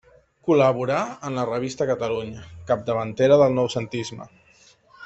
Col·laborà en la revista Catalunya, capdavantera del Noucentisme.